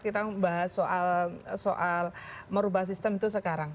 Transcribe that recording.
kita membahas soal merubah sistem itu sekarang